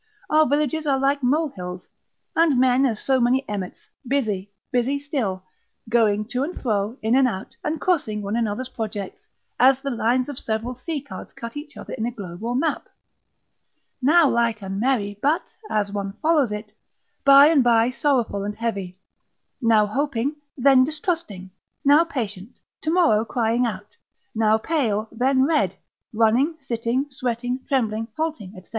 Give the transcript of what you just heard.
Our villages are like molehills, and men as so many emmets, busy, busy still, going to and fro, in and out, and crossing one another's projects, as the lines of several sea cards cut each other in a globe or map. Now light and merry, but (as one follows it) by and by sorrowful and heavy; now hoping, then distrusting; now patient, tomorrow crying out; now pale, then red; running, sitting, sweating, trembling, halting, &c.